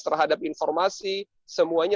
terhadap informasi semuanya